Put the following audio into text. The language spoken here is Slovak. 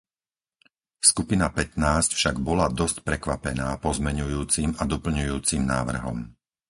Skupina pätnásť však bola dosť prekvapená pozmeňujúcim a doplňujúcim návrhom.